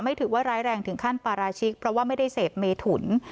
ถือว่าร้ายแรงถึงขั้นปาราชิกเพราะว่าไม่ได้เสพเมถุน